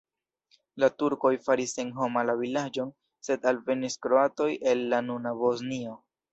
La turkoj faris senhoma la vilaĝon, sed alvenis kroatoj el la nuna Bosnio.